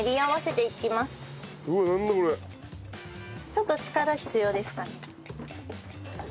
ちょっと力必要ですかね。